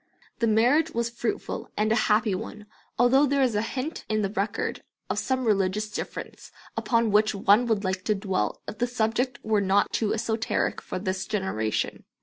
The marriage was fruitful and a happy one, although there is a hint in the record of some religious difference upon which one would like to dwell if the subject were not too esoteric for this generation.